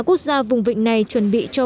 quốc gia vùng vịnh này chuẩn bị cho